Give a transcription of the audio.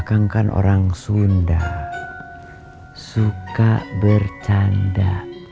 akangkan orang sunda suka bercanda